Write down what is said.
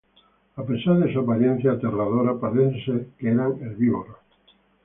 A pesar de su apariencia aterradora, parece ser que eran herbívoros.